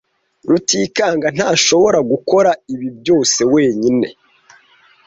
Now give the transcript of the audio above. Rutikanga ntashobora gukora ibi byose wenyine.